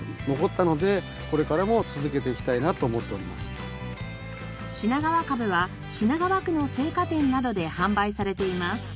色々品川カブは品川区の青果店などで販売されています。